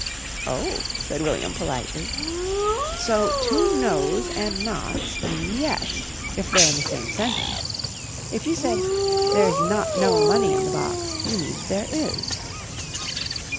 '" "Oh," said William politely. "So two 'nos' and 'nots' mean 'yes,' if they're in the same sentence. If you said 'There's not no money in the box' you mean there is."